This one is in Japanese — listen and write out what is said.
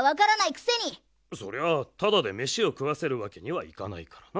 そりゃあタダでめしをくわせるわけにはいかないからな。